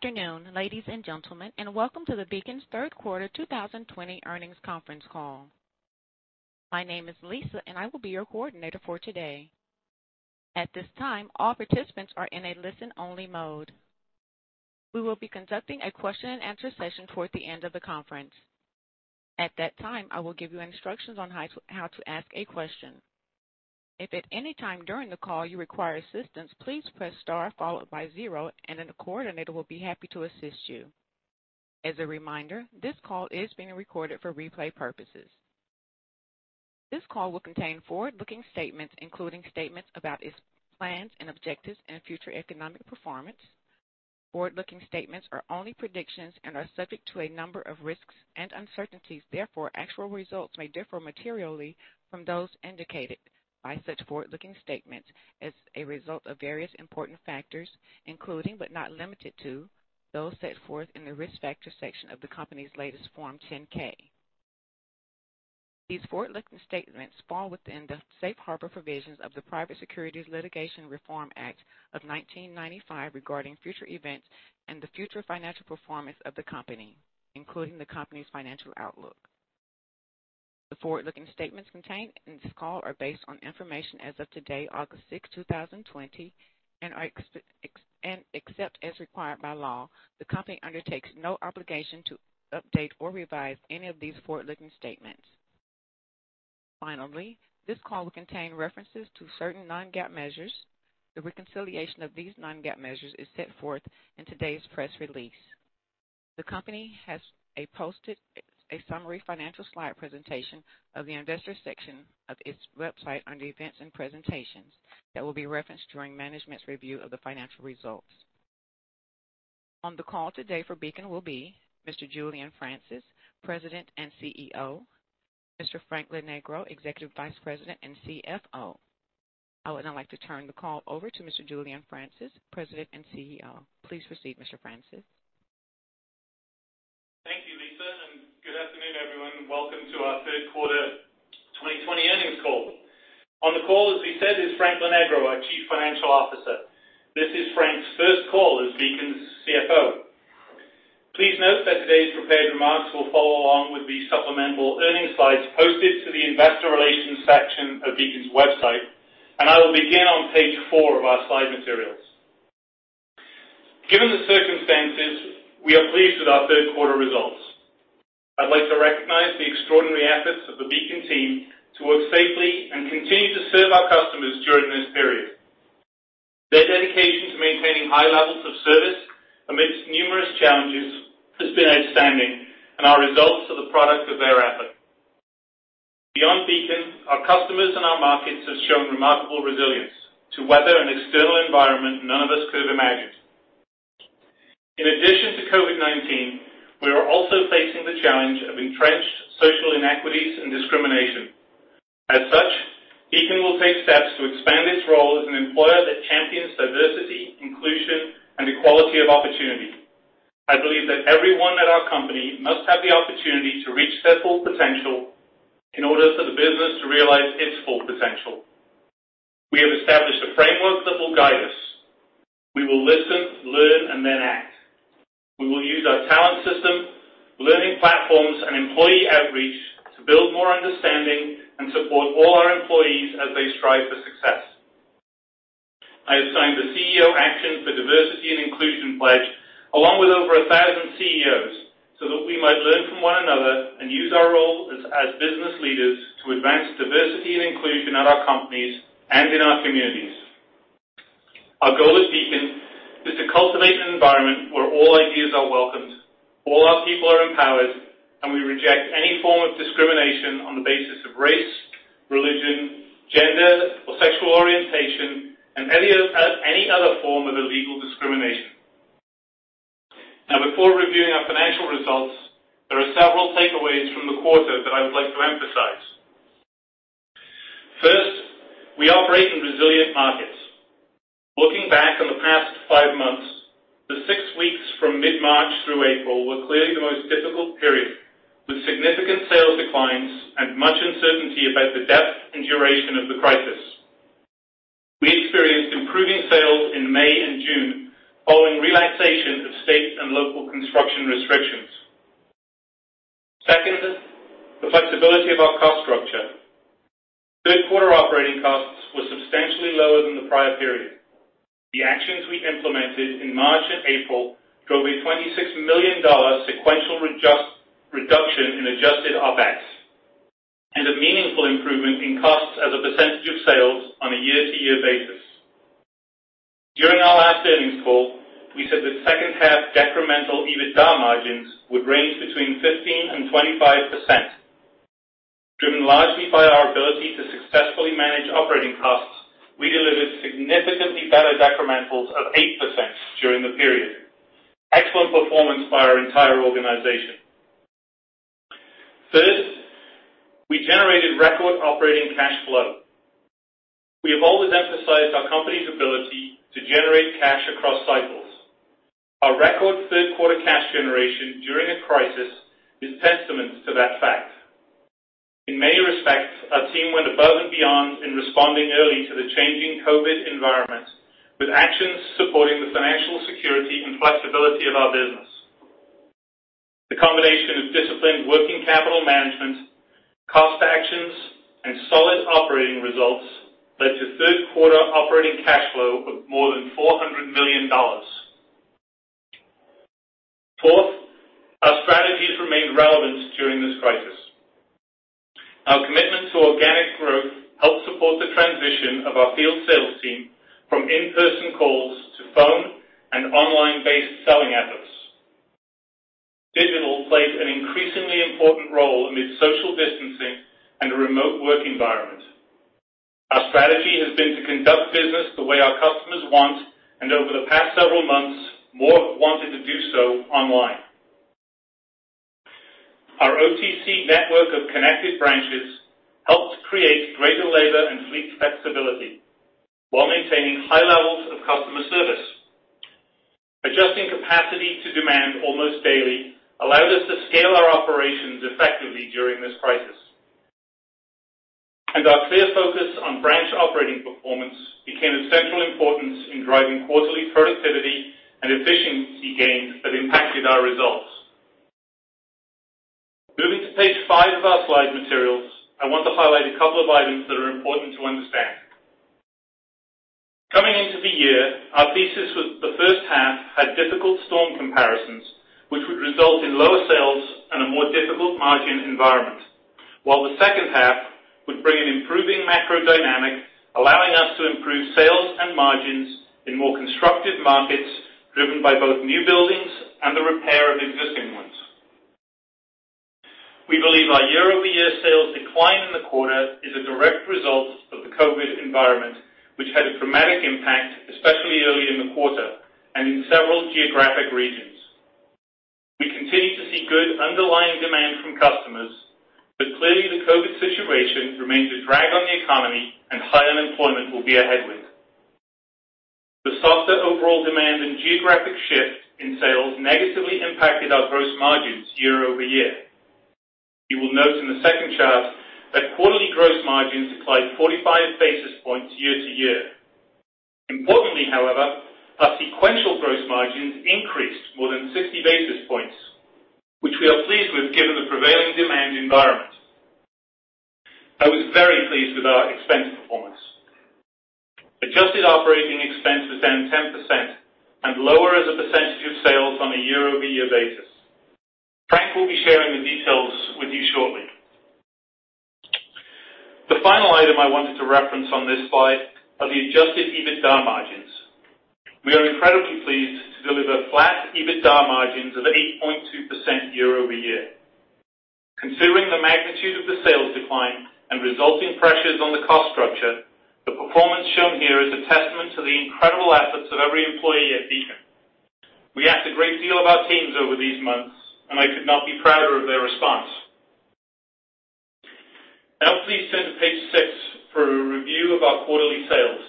Good afternoon, ladies and gentlemen, and welcome to the Beacon's third quarter 2020 earnings conference call. My name is Lisa, and I will be your coordinator for today. At this time, all participants are in a listen-only mode. We will be conducting a question and answer session towards the end of the conference. At that time, I will give you instructions on how to ask a question. If at any time during the call you require assistance, please press star followed by zero, and then a coordinator will be happy to assist you. As a reminder, this call is being recorded for replay purposes. This call will contain forward-looking statements, including statements about its plans and objectives and future economic performance. Forward-looking statements are only predictions and are subject to a number of risks and uncertainties. Actual results may differ materially from those indicated by such forward-looking statements as a result of various important factors, including, but not limited to, those set forth in the Risk Factors section of the company's latest Form 10-K. These forward-looking statements fall within the Safe Harbor provisions of the Private Securities Litigation Reform Act of 1995 regarding future events and the future financial performance of the company, including the company's financial outlook. The forward-looking statements contained in this call are based on information as of today, August 6th, 2020. Except as required by law, the company undertakes no obligation to update or revise any of these forward-looking statements. This call will contain references to certain non-GAAP measures. The reconciliation of these non-GAAP measures is set forth in today's press release. The company has posted a summary financial slide presentation of the investor section of its website under Events and Presentations that will be referenced during management's review of the financial results. On the call today for Beacon will be Mr. Julian Francis, President and CEO, Mr. Frank Lonegro, Executive Vice President and CFO. I would now like to turn the call over to Mr. Julian Francis, President and CEO. Please proceed, Mr. Francis. Thank you, Lisa, and good afternoon, everyone. Welcome to our third quarter 2020 earnings call. On the call, as we said, is Frank Lonegro, our Chief Financial Officer. This is Frank's first call as Beacon's CFO. Please note that today's prepared remarks will follow along with the supplemental earnings slides posted to the investor relations section of Beacon's website. I will begin on page four of our slide materials. Given the circumstances, we are pleased with our third quarter results. I'd like to recognize the extraordinary efforts of the Beacon team to work safely and continue to serve our customers during this period. Their dedication to maintaining high levels of service amidst numerous challenges has been outstanding. Our results are the product of their effort. Beyond Beacon, our customers and our markets have shown remarkable resilience to weather an external environment none of us could have imagined. In addition to COVID-19, we are also facing the challenge of entrenched social inequities and discrimination. As such, Beacon will take steps to expand its role as an employer that champions diversity, inclusion, and equality of opportunity. I believe that everyone at our company must have the opportunity to reach their full potential in order for the business to realize its full potential. We have established a framework that will guide us. We will listen, learn, and then act. We will use our talent system, learning platforms, and employee outreach to build more understanding and support all our employees as they strive for success. I have signed the CEO Action for Diversity & Inclusion pledge along with over 1,000 CEOs so that we might learn from one another and use our roles as business leaders to advance diversity and inclusion at our companies and in our communities. Our goal at Beacon is to cultivate an environment where all ideas are welcomed, all our people are empowered, and we reject any form of discrimination on the basis of race, religion, gender, or sexual orientation, and any other form of illegal discrimination. Now, before reviewing our financial results, there are several takeaways from the quarter that I would like to emphasize. First, we operate in resilient markets. Looking back on the past five months, the six weeks from mid-March through April were clearly the most difficult period, with significant sales declines and much uncertainty about the depth and duration of the crisis. We experienced improving sales in May and June following relaxation of state and local construction restrictions. Second, the flexibility of our cost structure. Third quarter operating costs were substantially lower than the prior period. The actions we implemented in March and April drove a $26 million sequential reduction in adjusted OpEx and a meaningful improvement in costs as a percentage of sales on a year-to-year basis. During our last earnings call, we said that second half decremental EBITDA margins would range between 15% and 25%. Driven largely by our ability to successfully manage operating costs, we delivered significantly better decrementals of 8% during the period. Excellent performance by our entire organization. Third, we generated record operating cash flow. We have always emphasized our company's ability to generate cash across cycles. Our record third quarter cash generation during a crisis is testament to that fact. In many respects, our team went above and beyond in responding early to the changing COVID environment, with actions supporting the financial security and flexibility of our business. The combination of disciplined working capital management, cost actions, and solid operating results led to third quarter operating cash flow of more than $400 million. Fourth, our strategies remained relevant during this crisis. Our commitment to organic growth helped support the transition of our field sales team from in-person calls to phone and online-based selling efforts. Digital plays an increasingly important role amid social distancing and a remote work environment. Our strategy has been to conduct business the way our customers want, and over the past several months, more have wanted to do so online. Our OTC network of connected branches helped create greater labor and fleet flexibility while maintaining high levels of customer service. Adjusting capacity to demand almost daily allowed us to scale our operations effectively during this crisis. Our clear focus on branch operating performance became of central importance in driving quarterly productivity and efficiency gains that impacted our results. Moving to page five of our slide materials, I want to highlight a couple of items that are important to understand. Coming into the year, our thesis was the first half had difficult storm comparisons, which would result in lower sales and a more difficult margin environment, while the second half would bring an improving macro dynamic, allowing us to improve sales and margins in more constructive markets, driven by both new buildings and the repair of existing ones. We believe our year-over-year sales decline in the quarter is a direct result of the COVID environment, which had a dramatic impact, especially early in the quarter and in several geographic regions. We continue to see good underlying demand from customers, clearly the COVID situation remains a drag on the economy, and high unemployment will be a headwind. The softer overall demand and geographic shift in sales negatively impacted our gross margins year-over-year. You will note in the second chart that quarterly gross margins declined 45 basis points year-to-year. Importantly, however, our sequential gross margins increased more than 60 basis points, which we are pleased with given the prevailing demand environment. I was very pleased with our expense performance. Adjusted Operating Expense was down 10% and lower as a percentage of sales on a year-over-year basis. Frank will be sharing the details with you shortly. The final item I wanted to reference on this slide are the adjusted EBITDA margins. We are incredibly pleased to deliver flat EBITDA margins of 8.2% year-over-year. Considering the magnitude of the sales decline and resulting pressures on the cost structure, the performance shown here is a testament to the incredible efforts of every employee at Beacon. We asked a great deal of our teams over these months, and I could not be prouder of their response. Now please turn to page six for a review of our quarterly sales.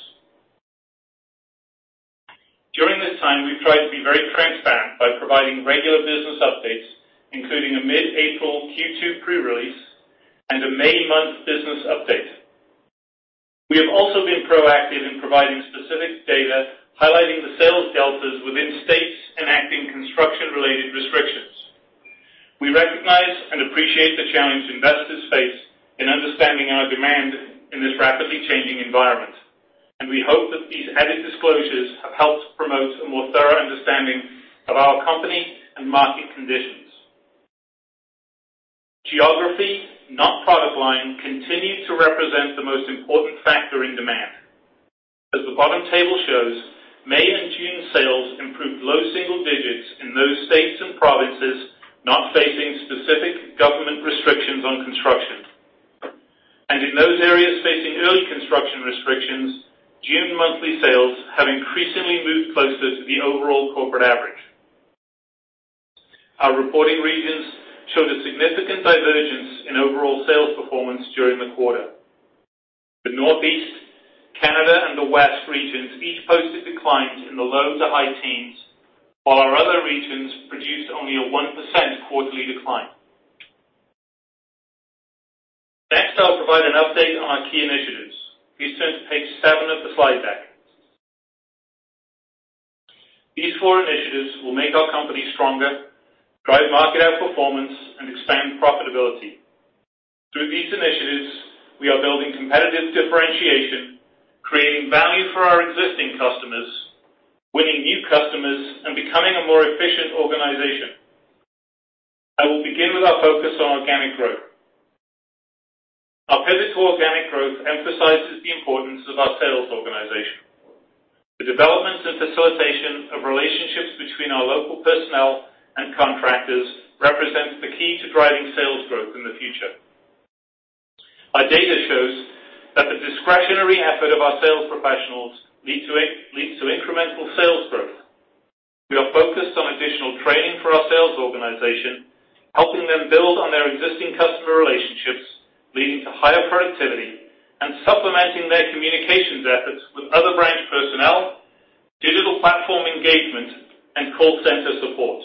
During this time, we've tried to be very transparent by providing regular business updates, including a mid-April Q2 pre-release and a May month business update. We have also been proactive in providing specific data highlighting the sales deltas within states enacting construction-related restrictions. We recognize and appreciate the challenge investors face in understanding our demand in this rapidly changing environment, and we hope that these added disclosures have helped promote a more thorough understanding of our company and market conditions. Geography, not product line, continued to represent the most important factor in demand. As the bottom table shows, May and June sales improved low single digits in those states and provinces not facing specific government restrictions on construction. In those areas facing early construction restrictions, June monthly sales have increasingly moved closer to the overall corporate average. Our reporting regions showed a significant divergence in overall sales performance during the quarter. The Northeast, Canada, and the West regions each posted declines in the low to high teens, while our other regions produced only a 1% quarterly decline. Next, I'll provide an update on our key initiatives. Please turn to page seven of the slide deck. These four initiatives will make our company stronger, drive market outperformance, and expand profitability. Through these initiatives, we are building competitive differentiation, creating value for our existing customers, winning new customers, and becoming a more efficient organization. I will begin with our focus on organic growth. Our pivot to organic growth emphasizes the importance of our sales organization. The development and facilitation of relationships between our local personnel and contractors represents the key to driving sales growth in the future. Our data shows that the discretionary effort of our sales professionals leads to incremental sales growth. We are focused on additional training for our sales organization, helping them build on their existing customer relationships, leading to higher productivity and supplementing their communications efforts with other branch personnel engagement and call center support.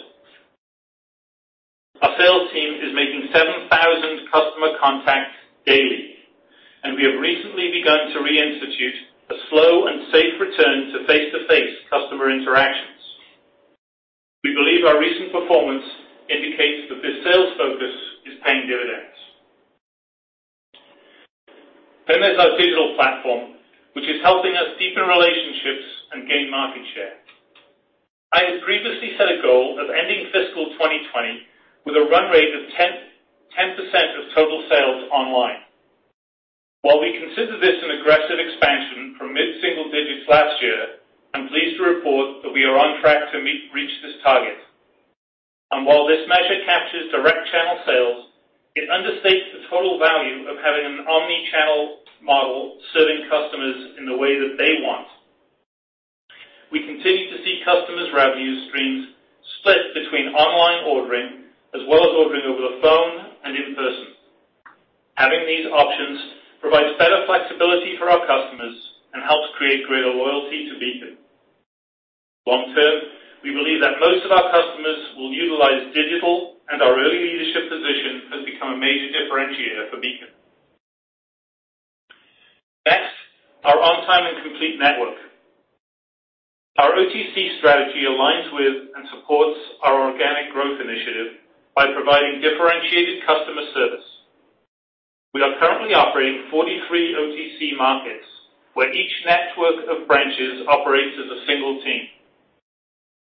Our sales team is making 7,000 customer contacts daily, and we have recently begun to reinstitute a slow and safe return to face-to-face customer interactions. We believe our recent performance indicates that this sales focus is paying dividends. There's our digital platform, which is helping us deepen relationships and gain market share. I have previously set a goal of ending fiscal 2020 with a run rate of 10% of total sales online. While we consider this an aggressive expansion from mid-single digits last year, I'm pleased to report that we are on track to reach this target. While this measure captures direct channel sales, it understates the total value of having an omni-channel model serving customers in the way that they want. We continue to see customers' revenue streams split between online ordering, as well as ordering over the phone and in person. Having these options provides better flexibility for our customers and helps create greater loyalty to Beacon. Long term, we believe that most of our customers will utilize digital, and our early leadership position has become a major differentiator for Beacon. Next, our On-Time and Complete network. Our OTC strategy aligns with and supports our organic growth initiative by providing differentiated customer service. We are currently operating 43 OTC markets, where each network of branches operates as a single team.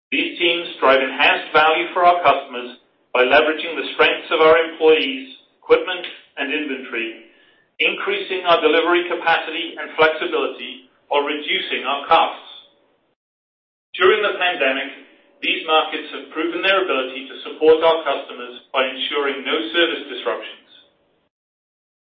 These teams drive enhanced value for our customers by leveraging the strengths of our employees, equipment, and inventory, increasing our delivery capacity and flexibility while reducing our costs. During the pandemic, these markets have proven their ability to support our customers by ensuring no service disruptions.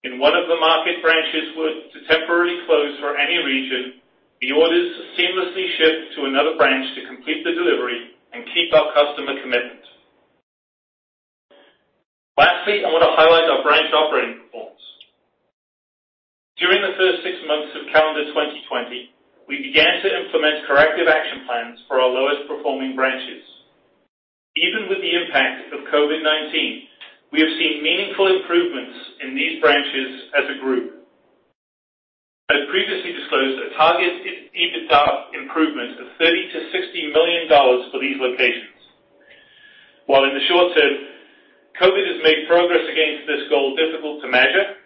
If one of the market branches were to temporarily close for any reason, the orders seamlessly shift to another branch to complete the delivery and keep our customer commitment. Lastly, I want to highlight our branch operating performance. During the first six months of calendar 2020, we began to implement corrective action plans for our lowest-performing branches. Even with the impact of COVID-19, we have seen meaningful improvements in these branches as a group. I had previously disclosed a target EBITDA improvement of $30 million-$60 million for these locations. While in the short term, COVID has made progress against this goal difficult to measure.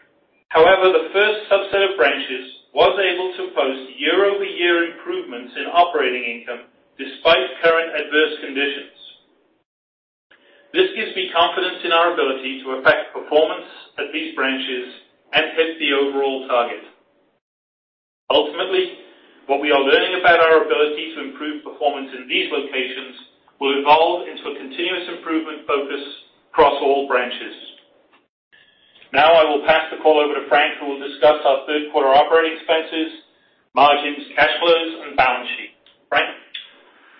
However, the first subset of branches was able to post year-over-year improvements in operating income despite current adverse conditions. This gives me confidence in our ability to affect performance at these branches and hit the overall target. Ultimately, what we are learning about our ability to improve performance in these locations will evolve into a continuous improvement focus across all branches. Now I will pass the call over to Frank, who will discuss our third quarter operating expenses, margins, cash flows, and balance sheet. Frank?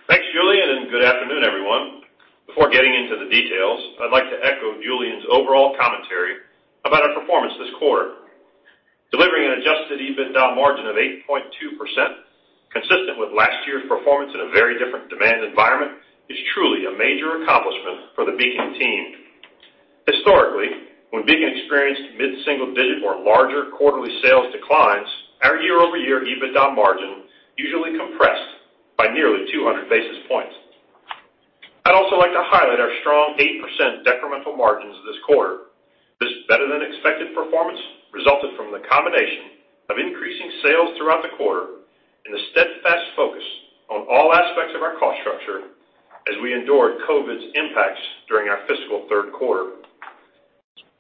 Thanks, Julian, and good afternoon, everyone. Before getting into the details, I'd like to echo Julian's overall commentary about our performance this quarter. Delivering an adjusted EBITDA margin of 8.2%, consistent with last year's performance in a very different demand environment, is truly a major accomplishment for the Beacon team. Historically, when Beacon experienced mid-single digit or larger quarterly sales declines, our year-over-year EBITDA margin usually compressed by nearly 200 basis points. I'd also like to highlight our strong 8% decremental margins this quarter. This better-than-expected performance resulted from the combination of increasing sales throughout the quarter and a steadfast focus on all aspects of our cost structure as we endured COVID's impacts during our fiscal third quarter.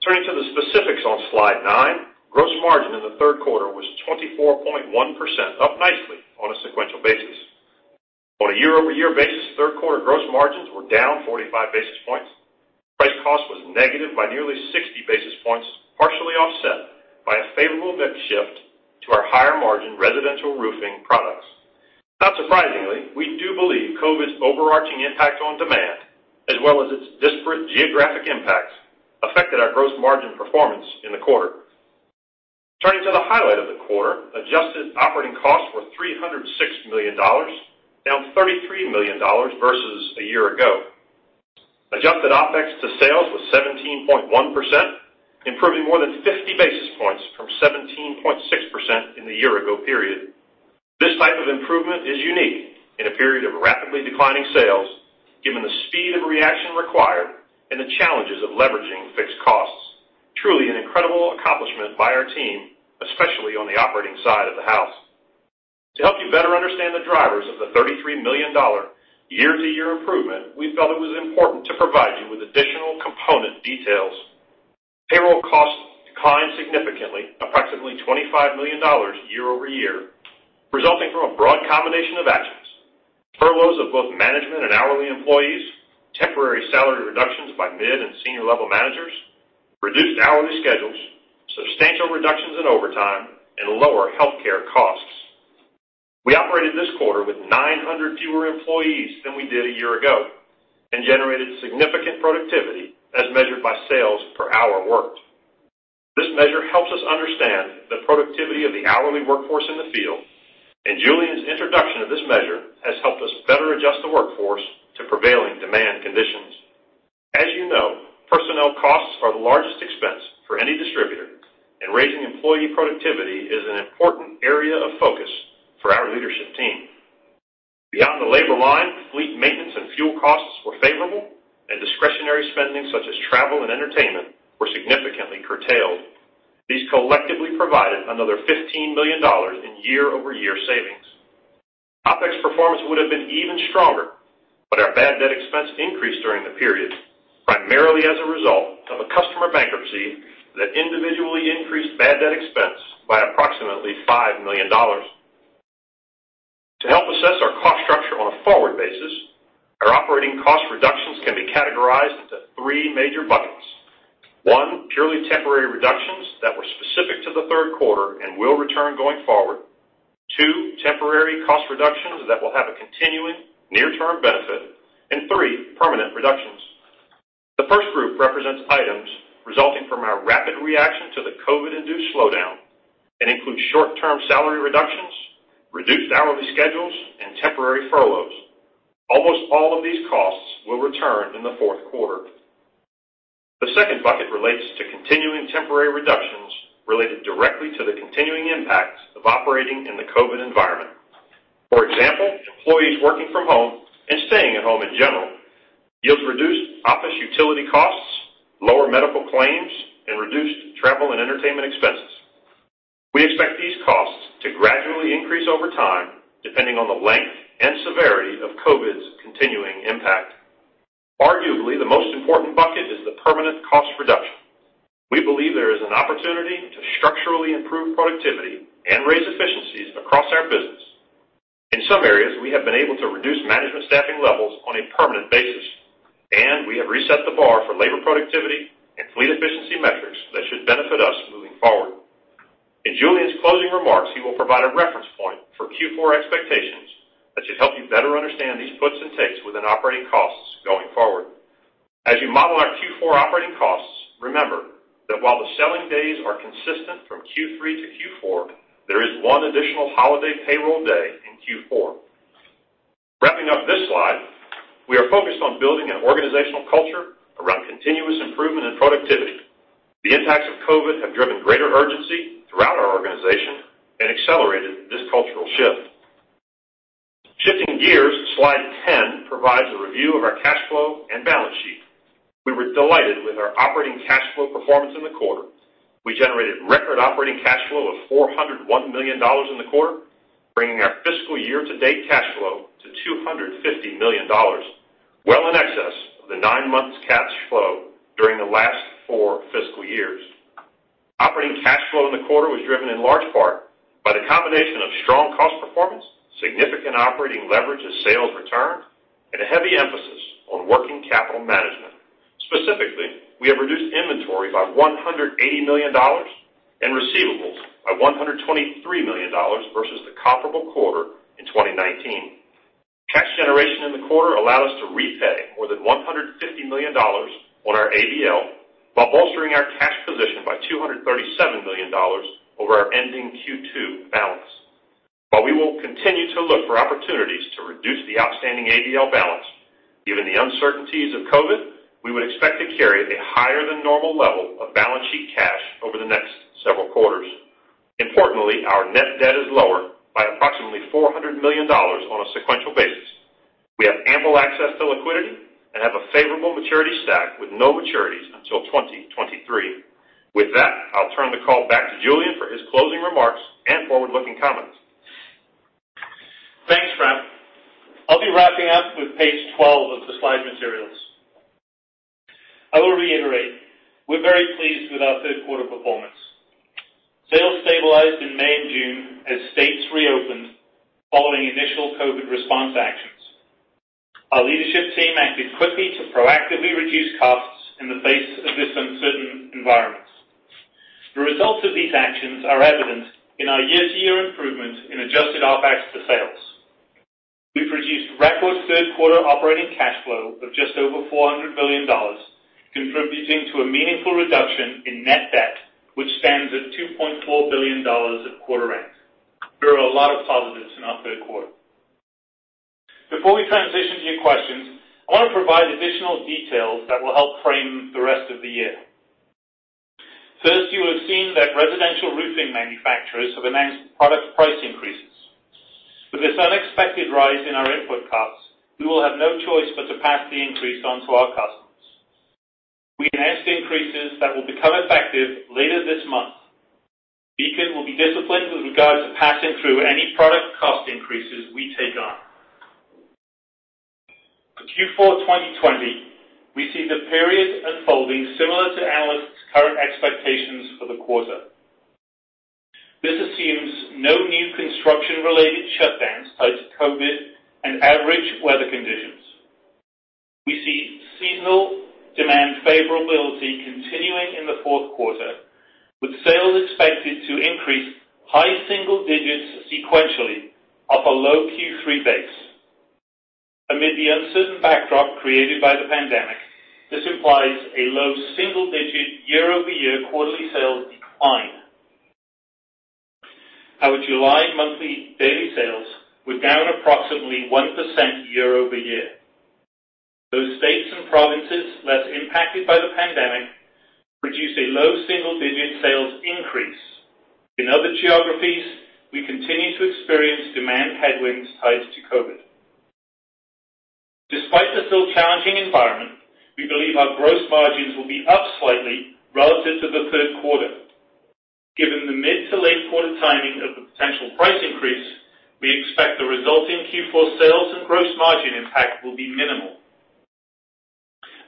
Turning to the specifics on slide nine, gross margin in the third quarter was 24.1%, up nicely on a sequential basis. On a year-over-year basis, third quarter gross margins were down 45 basis points. Price cost was negative by nearly 60 basis points, partially offset by a favorable mix shift to our higher-margin residential roofing products. Not surprisingly, we do believe COVID's overarching impact on demand, as well as its disparate geographic impacts, affected our gross margin performance in the quarter. Turning to the highlight of the quarter, adjusted operating costs were $306 million, down $33 million versus a year ago. Adjusted OpEx to sales was 17.1%, improving more than 50 basis points from 17.6% in the year ago period. This type of improvement is unique in a period of rapidly declining sales, given the speed of reaction required and the challenges of leveraging fixed costs. Truly an incredible accomplishment by our team, especially on the operating side of the house. To help you better understand the drivers of the $33 million year-to-year improvement, we felt it was important to provide you with additional component details. Payroll costs declined significantly, approximately $25 million year-over-year, resulting from a broad combination of actions. Furloughs of both management and hourly employees, temporary salary reductions by mid and senior-level managers, reduced hourly schedules, substantial reductions in overtime, and lower healthcare costs. We operated this quarter with 900 fewer employees than we did a year ago and generated significant productivity as measured by sales per hour worked. This measure helps us understand the productivity of the hourly workforce in the field, and Julian's introduction of this measure has helped us better adjust the workforce to prevailing demand conditions. As you know, personnel costs are the largest expense for any distributor, and raising employee productivity is an important area of focus for our leadership team. Beyond the labor line, fleet maintenance and fuel costs were favorable, and discretionary spending such as travel and entertainment were significantly curtailed. These collectively provided another $15 million in year-over-year savings. OpEx performance would have been even stronger, but our bad debt expense increased during the period, primarily as a result of a customer bankruptcy that individually increased bad debt expense by approximately $5 million. To help assess our cost structure on a forward basis, our operating cost reductions can be categorized into three major buckets. One, purely temporary reductions that were specific to the third quarter and will return going forward. Two, temporary cost reductions that will have a continuing near-term benefit. Three, permanent reductions. The first group represents items resulting from our rapid reaction to the COVID-induced slowdown and includes short-term salary reductions, reduced hourly schedules, and temporary furloughs. Almost all of these costs will return in the fourth quarter. The second bucket relates to continuing temporary reductions related directly to the continuing impacts of operating in the COVID environment. For example, employees working from home and staying at home in general yields reduced office utility costs, lower medical claims, and reduced travel and entertainment expenses. We expect these costs to gradually increase over time, depending on the length and severity of COVID's continuing impact. Arguably, the most important bucket is the permanent cost reduction. We believe there is an opportunity to structurally improve productivity and raise efficiencies across our business. In some areas, we have been able to reduce management staffing levels on a permanent basis, and we have reset the bar for labor productivity and fleet efficiency metrics that should benefit us moving forward. In Julian's closing remarks, he will provide a reference point for Q4 expectations that should help you better understand these puts and takes within operating costs going forward. As you model our Q4 operating costs, remember that while the selling days are consistent from Q3 to Q4, there is one additional holiday payroll day in Q4. Wrapping up this slide, we are focused on building an organizational culture around continuous improvement and productivity. The impacts of COVID have driven greater urgency throughout our organization and accelerated this cultural shift. Shifting gears, slide 10 provides a review of our cash flow and balance sheet. We were delighted with our operating cash flow performance in the quarter. We generated record operating cash flow of $401 million in the quarter, bringing our fiscal year-to-date cash flow to $250 million, well in excess of the nine months cash flow during the last four fiscal years. Operating cash flow in the quarter was driven in large part by the combination of strong cost performance, significant operating leverage as sales returned, and a heavy emphasis on working capital management. Specifically, we have reduced inventory by $180 million and receivables by $123 million versus the comparable quarter in 2019. Cash generation in the quarter allowed us to repay more than $150 million on our ABL while bolstering our cash position by $237 million over our ending Q2 balance. We will continue to look for opportunities to reduce the outstanding ABL balance, given the uncertainties of COVID, we would expect to carry a higher than normal level of balance sheet cash over the next several quarters. Importantly, our net debt is lower by approximately $400 million on a sequential basis. We have ample access to liquidity and have a favorable maturity stack with no maturities until 2023. With that, I'll turn the call back to Julian for his closing remarks and forward-looking comments. Thanks, Frank. I'll be wrapping up with page 12 of the slide materials. I will reiterate, we're very pleased with our third quarter performance. Sales stabilized in May and June as states reopened following initial COVID response actions. Our leadership team acted quickly to proactively reduce costs in the face of this uncertain environment. The results of these actions are evident in our year-to-year improvement in adjusted OpEx to sales. We've produced record third quarter operating cash flow of just over $400 million, contributing to a meaningful reduction in net debt, which stands at $2.4 billion at quarter end. There are a lot of positives in our third quarter. Before we transition to your questions, I want to provide additional details that will help frame the rest of the year. First, you will have seen that residential roofing manufacturers have announced product price increases. With this unexpected rise in our input costs, we will have no choice but to pass the increase on to our customers. We announced increases that will become effective later this month. Beacon will be disciplined with regard to passing through any product cost increases we take on. For Q4 2020, we see the period unfolding similar to analysts' current expectations for the quarter. This assumes no new construction-related shutdowns tied to COVID and average weather conditions. We see seasonal demand favorability continuing in the fourth quarter, with sales expected to increase high single digits sequentially off a low Q3 base. Amid the uncertain backdrop created by the pandemic, this implies a low single-digit year-over-year quarterly sales decline. Our July monthly daily sales were down approximately 1% year-over-year. Those states and provinces less impacted by the pandemic produced a low single-digit sales increase. In other geographies, we continue to experience demand headwinds tied to COVID. Despite the still challenging environment, we believe our gross margins will be up slightly relative to the third quarter. Given the mid to late quarter timing of the potential price increase, we expect the resulting Q4 sales and gross margin impact will be minimal.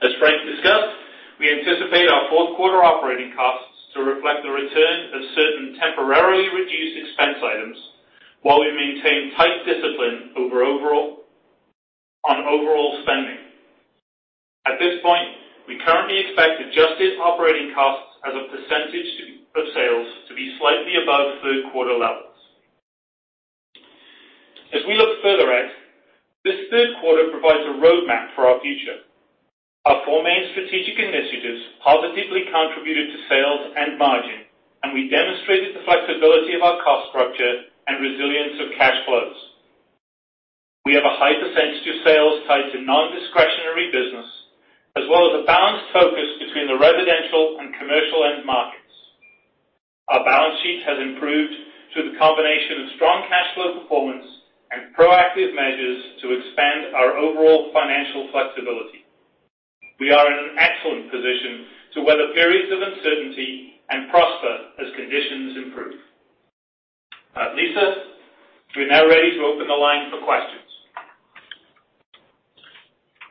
As Frank discussed, we anticipate our fourth quarter operating costs to reflect the return of certain temporarily reduced expense items while we maintain tight discipline on overall spending. At this point, we currently expect adjusted operating costs as a percentage of sales to be slightly above third quarter levels. As we look further out, this third quarter provides a roadmap for our future. Our four main strategic initiatives positively contributed to sales and margin, and we demonstrated the flexibility of our cost structure and resilience of cash flows. We have a high percentage of sales tied to non-discretionary business, as well as a balanced focus between the residential and commercial end markets. Our balance sheet has improved through the combination of strong cash flow performance and proactive measures to expand our overall financial flexibility. We are in an excellent position to weather periods of uncertainty and prosper as conditions improve. Lisa, we are now ready to open the line for questions.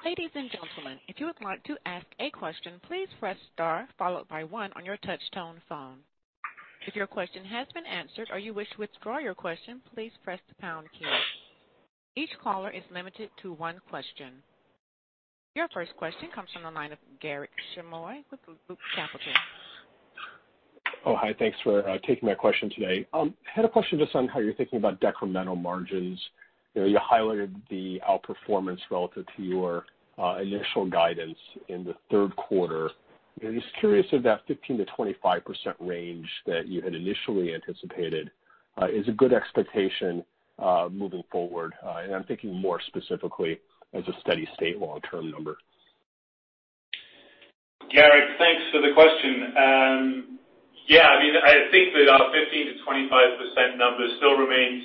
Ladies and gentlemen, if you would like to ask a question, please press star followed by one on your touchtone phone. If your question has been answered or you wish to withdraw your question, please press the pound key. Each caller is limited to one question. Your first question comes from the line of Garik Shmois with Loop Capital. Oh, hi. Thanks for taking my question today. I had a question just on how you're thinking about decremental margins. You highlighted the outperformance relative to your initial guidance in the third quarter. Just curious if that 15%-25% range that you had initially anticipated is a good expectation moving forward. I'm thinking more specifically as a steady state long-term number. Garik, thanks for the question. Yeah, I think that our 15%-25% number still remains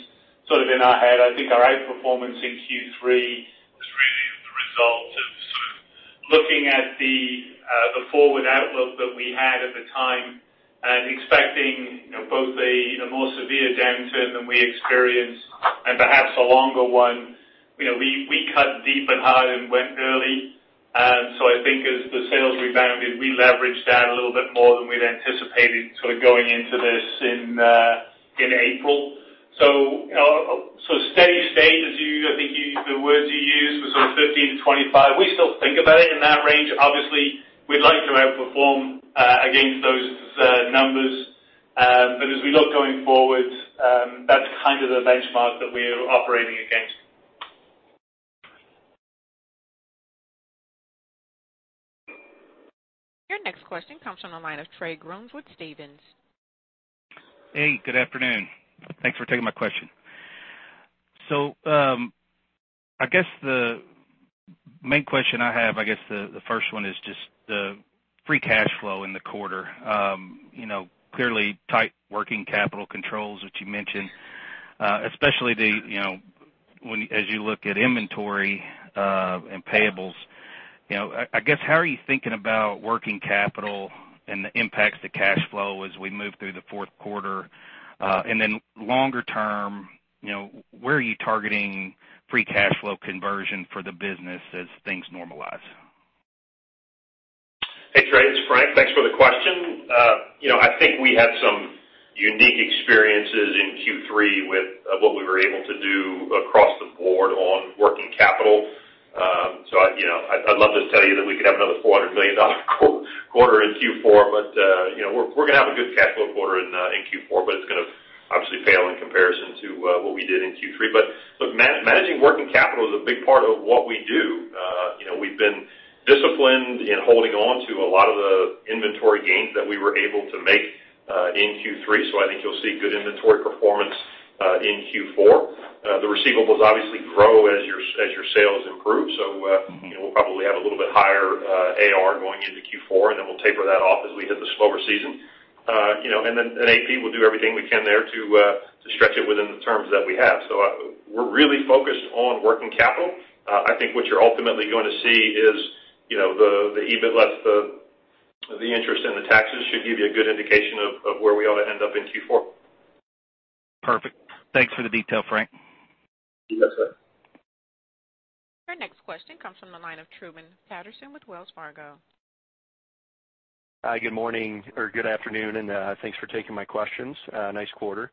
sort of in our head. I think our outperformance in Q3 was really the result of sort of looking at the forward outlook that we had at the time and expecting both a more severe downturn than we experienced and perhaps a longer one. We cut deep and hard and went early. I think as the sales rebounded, we leveraged that a little bit more than we'd anticipated sort of going into this in April. Steady state, I think the words you used was sort of 15%-25%. We still think about it in that range. Obviously, we'd like to outperform against those numbers. As we look going forward, that's kind of the benchmark that we're operating against. Your next question comes from the line of Trey Grooms with Stephens. Hey, good afternoon. Thanks for taking my question. I guess the main question I have, I guess the first one is just the free cash flow in the quarter. Clearly tight working capital controls that you mentioned, especially as you look at inventory and payables. I guess how are you thinking about working capital and the impacts to cash flow as we move through the fourth quarter? Then longer term, where are you targeting free cash flow conversion for the business as things normalize? Hey, Trey, it's Frank. Thanks for the question. I think we had some unique experiences in Q3 with what we were able to do across the board on working capital. I'd love to tell you that we could have another $400 million quarter in Q4, but we're going to have a good cash flow quarter in Q4, but it's going to obviously pale in comparison to what we did in Q3. Look, managing working capital is a big part of what we do. We've been disciplined in holding on to a lot of the inventory gains that we were able to make in Q3. I think you'll see good inventory performance in Q4. The receivables obviously grow as your sales improve. We'll probably have a little bit higher AR going into Q4, and then we'll taper that off as we hit the slower season. In AP, we'll do everything we can there to stretch it within the terms that we have. We're really focused on working capital. I think what you're ultimately going to see is the EBIT less the interest and the taxes should give you a good indication of where we ought to end up in Q4. Perfect. Thanks for the detail, Frank. You bet, Trey. Our next question comes from the line of Truman Patterson with Wells Fargo. Hi, good morning or good afternoon, and thanks for taking my questions. Nice quarter.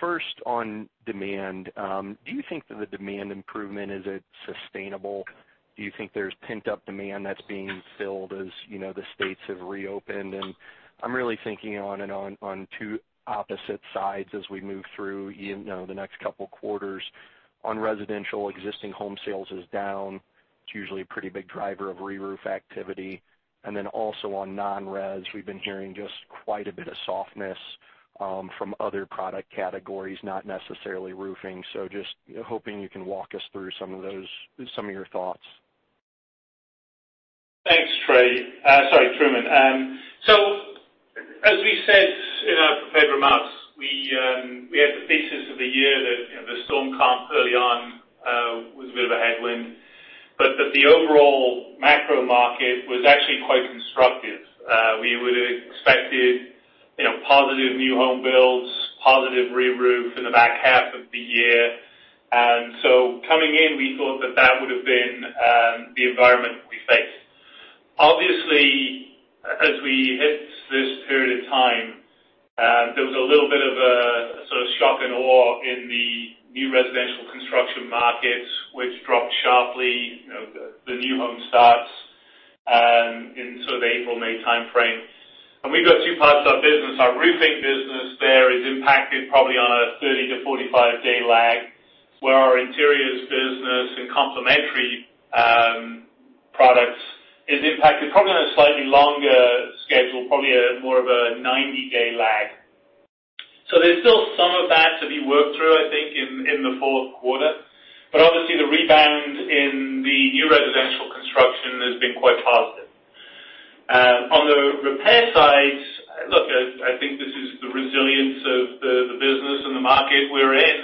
First on demand, do you think that the demand improvement is sustainable? Do you think there's pent-up demand that's being filled as the states have reopened? I'm really thinking on two opposite sides as we move through the next couple quarters. On residential, existing home sales is down. It's usually a pretty big driver of re-roof activity. Then also on non-res, we've been hearing just quite a bit of softness from other product categories, not necessarily roofing. Just hoping you can walk us through some of your thoughts. Thanks, Trey. Sorry, Truman. As we said in our prepared remarks, we had the thesis of the year that the storm count early on was a bit of a headwind, but that the overall macro market was actually quite constructive. We would've expected positive new home builds, positive re-roof in the back half of the year. Coming in, we thought that that would've been the environment that we faced. Obviously, as we hit this period of time, there was a little bit of a sort of shock and awe in the new residential construction market, which dropped sharply, the new home starts in sort of the April-May timeframe. We've got two parts of our business. Our roofing business there is impacted probably on a 30- to 45-day lag, where our interiors business and complementary products is impacted probably on a slightly longer schedule, probably more of a 90-day lag. There's still some of that to be worked through, I think, in the fourth quarter. Obviously the rebound in the new residential construction has been quite positive. On the repair side, look, I think this is the resilience of the business and the market we're in.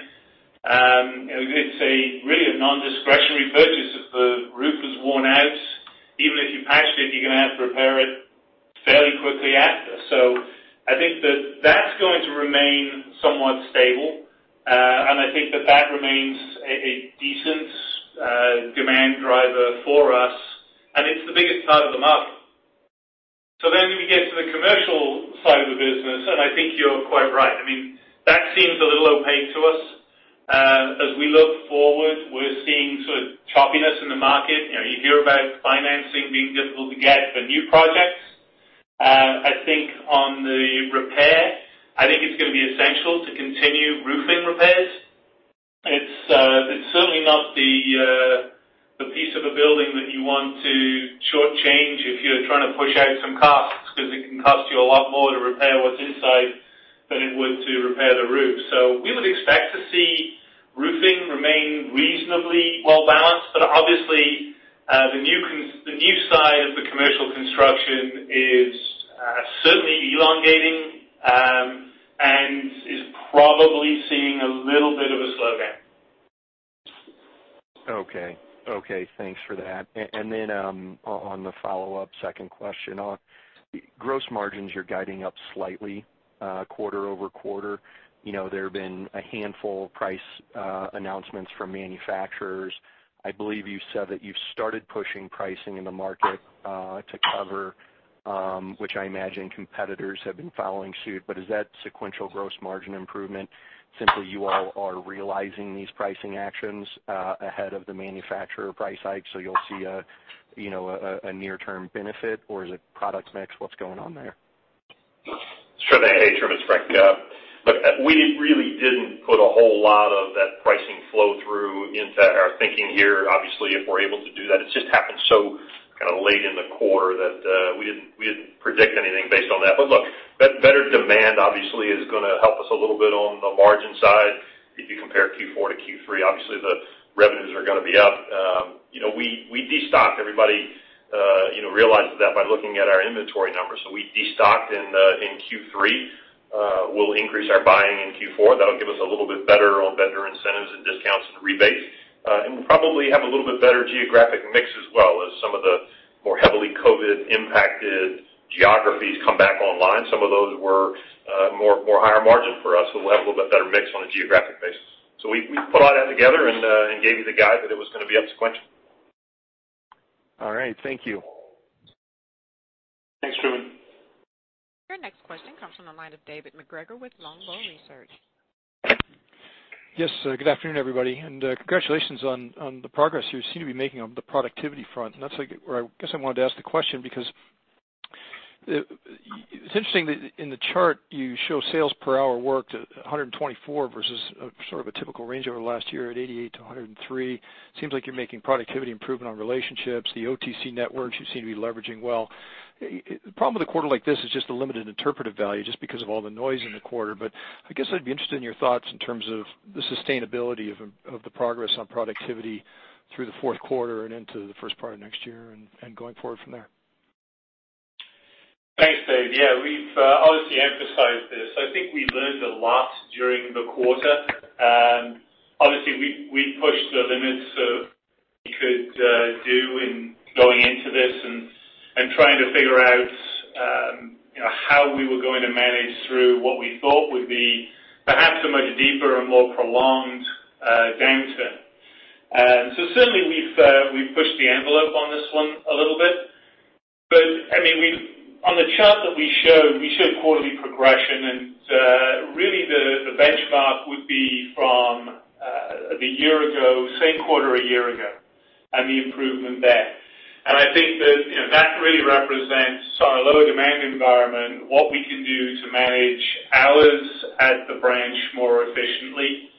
It's really a nondiscretionary purchase. If the roof is worn out, even if you patch it, you're going to have to repair it fairly quickly after. I think that that's going to remain somewhat stable. I think that that remains a decent demand driver for us, and it's the biggest part of the market. When we get to the commercial side of the business, and I think you're quite right. That seems a little opaque to us. As we look forward, we're seeing sort of choppiness in the market. You hear about financing being difficult to get for new projects. On the repair, I think it's going to be essential to continue roofing repairs. It's certainly not the piece of a building that you want to shortchange if you're trying to push out some costs because it can cost you a lot more to repair what's inside than it would to repair the roof. We would expect to see roofing remain reasonably well-balanced, but obviously, the new side of the commercial construction is certainly elongating, and is probably seeing a little bit of a slowdown. Okay. Thanks for that. On the follow-up second question. On gross margins, you're guiding up slightly quarter-over-quarter. There have been a handful of price announcements from manufacturers. I believe you said that you've started pushing pricing in the market to cover, which I imagine competitors have been following suit. Is that sequential gross margin improvement simply you all are realizing these pricing actions ahead of the manufacturer price hike, so you'll see a near-term benefit, or is it product mix? What's going on there? Hey, Truman. It's Frank. Look, we really didn't put a whole lot of that pricing flow through into our thinking here. Obviously, if we're able to do that, it just happened so late in the quarter that we didn't predict anything based on that. Look, that better demand obviously is going to help us a little bit on the margin side. If you compare Q4 to Q3, obviously the revenues are going to be up. We de-stocked. Everybody realizes that by looking at our inventory numbers. We de-stocked in Q3. We'll increase our buying in Q4. That'll give us a little bit better on vendor incentives and discounts and rebates. We'll probably have a little bit better geographic mix as well as some of the more heavily COVID-impacted geographies come back online. Some of those were more higher margin for us, so we'll have a little bit better mix on a geographic basis. We put all that together and gave you the guide that it was going to be up sequentially. All right. Thank you. Thanks, Truman. Your next question comes from the line of David MacGregor with Longbow Research. Yes. Good afternoon, everybody. Congratulations on the progress you seem to be making on the productivity front. That's where I guess I wanted to ask the question because it's interesting that in the chart you show sales per hour worked at 124 versus sort of a typical range over the last year at 88-103. Seems like you're making productivity improvement on relationships. The OTC networks you seem to be leveraging well. The problem with a quarter like this is just the limited interpretive value, just because of all the noise in the quarter. I guess I'd be interested in your thoughts in terms of the sustainability of the progress on productivity through the fourth quarter and into the first part of next year and going forward from there. Thanks, Dave. Yeah, we've obviously emphasized this. I think we learned a lot during the quarter. Obviously, we pushed the limits of what we could do in going into this and trying to figure out how we were going to manage through what we thought would be perhaps a much deeper and more prolonged downturn. Certainly we've pushed the envelope on this one a little bit. On the chart that we showed, we showed quarterly progression, and really the benchmark would be from the same quarter a year ago and the improvement there. I think that really represents, on a lower demand environment, what we can do to manage hours at the branch more efficiently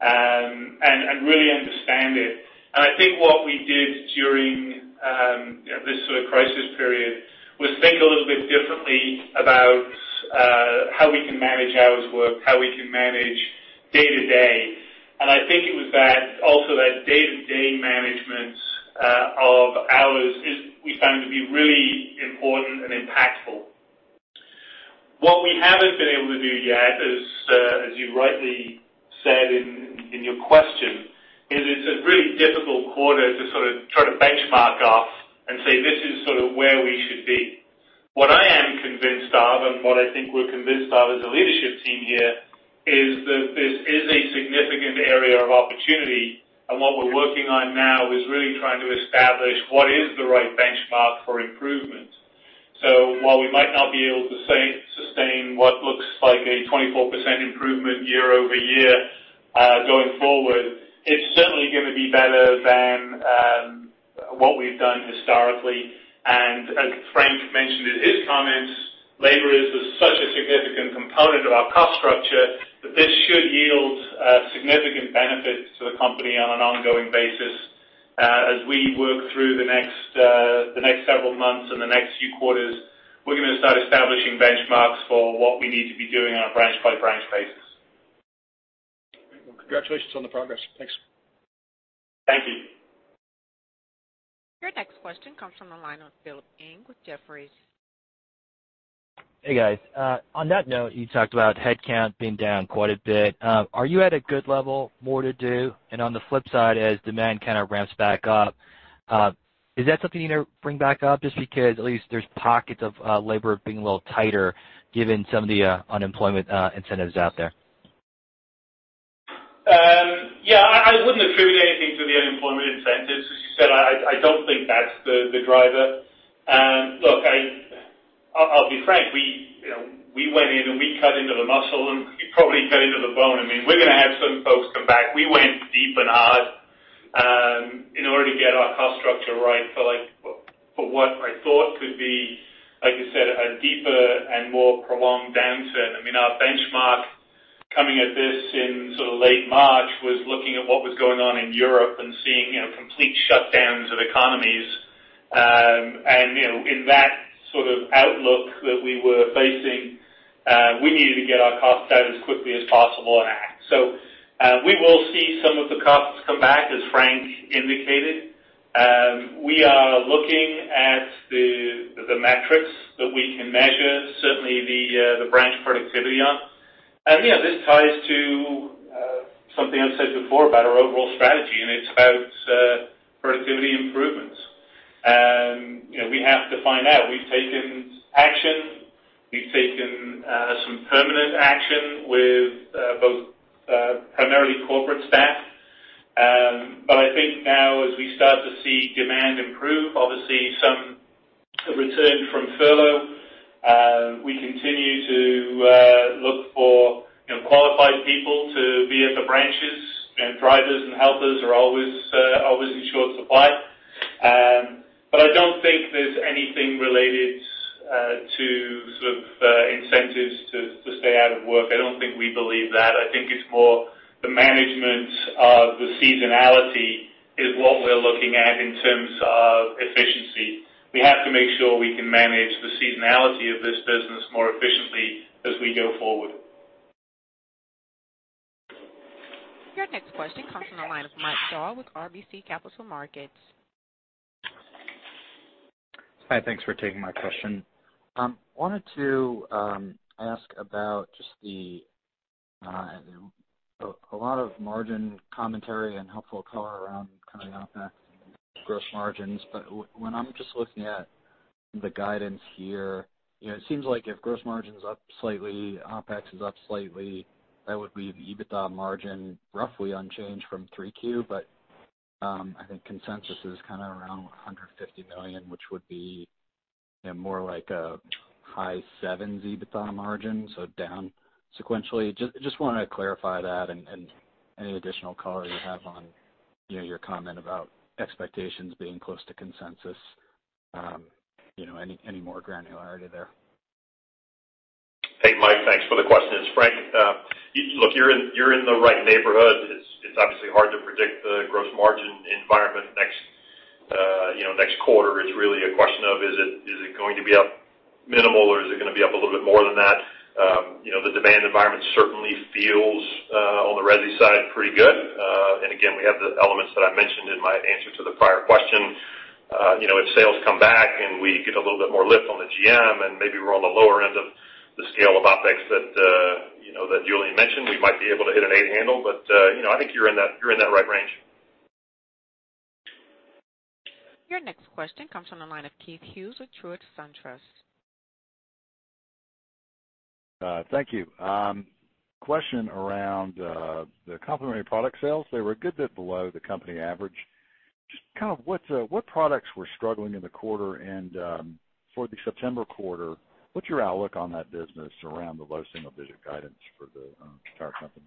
and really understand it. I think what we did during this sort of crisis period was think a little bit differently about how we can manage hours worked, how we can manage day to day. I think it was also that day-to-day management of hours we found to be really important and impactful. What we haven't been able to do yet is, as you rightly said in your question, is it's a really difficult quarter to sort of try to benchmark off and say, "This is sort of where we should be." What I am convinced of, and what I think we're convinced of as a leadership team here, is that this is a significant area of opportunity. What we're working on now is really trying to establish what is the right benchmark for improvement. While we might not be able to sustain what looks like a 24% improvement year-over-year going forward, it's certainly going to be better than what we've done historically. As Frank mentioned in his comments, labor is such a significant component of our cost structure that this should yield significant benefits to the company on an ongoing basis. As we work through the next several months and the next few quarters, we're going to start establishing benchmarks for what we need to be doing on a branch by branch basis. Well, congratulations on the progress. Thanks. Thank you. Your next question comes from the line of Philip Ng with Jefferies. Hey, guys. On that note, you talked about headcount being down quite a bit. Are you at a good level, more to do? On the flip side, as demand kind of ramps back up, is that something you bring back up just because at least there's pockets of labor being a little tighter given some of the unemployment incentives out there? Yeah, I wouldn't attribute anything to the unemployment incentives, as you said. I don't think that's the driver. Look, I'll be frank. We went in and we cut into the muscle, and we probably cut into the bone. We're going to have some folks come back. We went deep and hard in order to get our cost structure right for what I thought could be, like you said, a deeper and more prolonged downturn. Our benchmark coming at this in late March was looking at what was going on in Europe and seeing complete shutdowns of economies. In that sort of outlook that we were facing, we needed to get our costs down as quickly as possible and act. We will see some of the costs come back, as Frank indicated. We are looking at the metrics that we can measure, certainly the branch productivity on. Yeah, this ties to something I've said before about our overall strategy, and it's about productivity improvements. We have to find out. We've taken action. We've taken some permanent action with both primarily corporate staff. I think now as we start to see demand improve, obviously some return from furlough. We continue to look for qualified people to be at the branches. Drivers and helpers are always in short supply. I don't think there's anything related to sort of incentives to stay out of work. I don't think we believe that. I think it's more the management of the seasonality is what we're looking at in terms of efficiency. We have to make sure we can manage the seasonality of this business more efficiently as we go forward. Your next question comes from the line of Mike Dahl with RBC Capital Markets. Hi, thanks for taking my question. Wanted to ask about just a lot of margin commentary and helpful color around kind of OpEx and gross margins. When I'm just looking at the guidance here, it seems like if gross margin's up slightly, OpEx is up slightly, that would leave EBITDA margin roughly unchanged from 3Q, I think consensus is kind of around $150 million, which would be more like a high seven EBITDA margin, so down sequentially. Just want to clarify that and any additional color you have on your comment about expectations being close to consensus. Any more granularity there? Hey, Mike, thanks for the question. It's Frank. Look, you're in the right neighborhood. It's obviously hard to predict the gross margin environment next quarter. It's really a question of, is it going to be up minimal or is it going to be up a little bit more than that? The demand environment certainly feels, on the resi side, pretty good. Again, we have the elements that I mentioned in my answer to the prior question. If sales come back and we get a little bit more lift on the GM and maybe we're on the lower end of the scale of OpEx that Julian mentioned, we might be able to hit an eight handle. I think you're in that right range. Your next question comes from the line of Keith Hughes with SunTrust. Thank you. Question around the complementary product sales. They were a good bit below the company average. Just what products were struggling in the quarter, and for the September quarter, what's your outlook on that business around the low single-digit guidance for the entire company?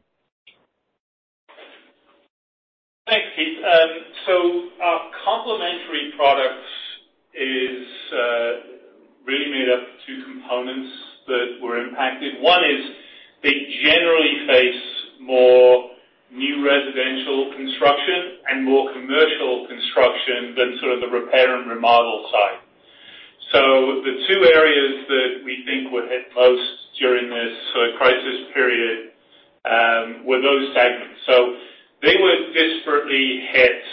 Thanks, Keith. Our complementary products is really made up of two components that were impacted. One is they generally face more new residential construction and more commercial construction than the repair and remodel side. The two areas that we think were hit most during this crisis period were those segments. They were disparately hit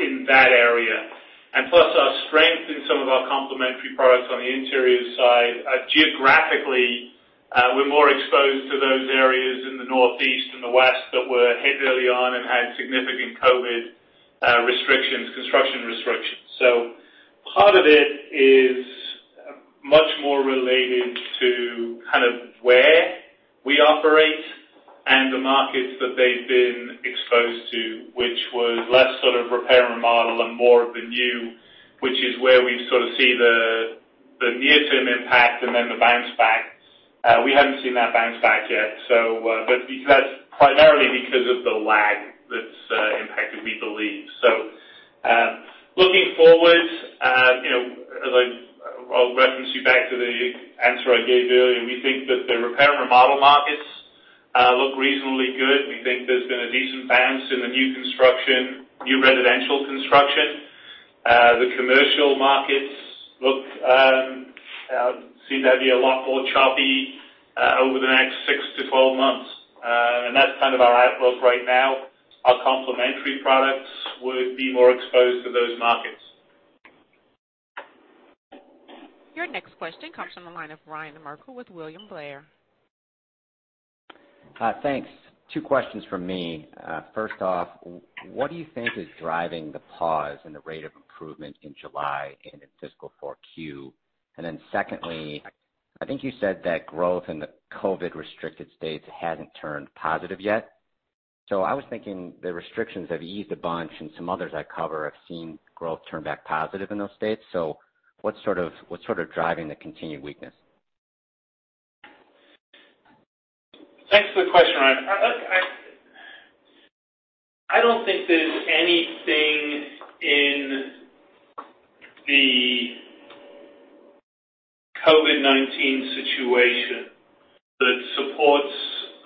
in that area. Plus our strength in some of our complementary products on the interior side, geographically, we're more exposed to those areas in the Northeast and the West that were hit early on and had significant COVID restrictions, construction restrictions. Part of it is much more related to where we operate and the markets that they've been exposed to, which was less repair and remodel and more of the new, which is where we sort of see the near-term impact and then the bounce back. We haven't seen that bounce back yet. That's primarily because of the lag that's impacted, we believe. Looking forward, I'll reference you back to the answer I gave earlier. We think that the repair and remodel markets look reasonably good. We think there's been a decent bounce in the new construction, new residential construction. The commercial markets seem they'll be a lot more choppy over the next 6-12 months. That's kind of our outlook right now. Our complementary products would be more exposed to those markets. Your next question comes from the line of Ryan Merkel with William Blair. Thanks. Two questions from me. First off, what do you think is driving the pause in the rate of improvement in July and in fiscal 4Q? Secondly, I think you said that growth in the COVID restricted states hasn't turned positive yet. I was thinking the restrictions have eased a bunch, and some others I cover have seen growth turn back positive in those states. What's sort of driving the continued weakness? Thanks for the question, Ryan. I don't think there's anything in the COVID-19 situation that supports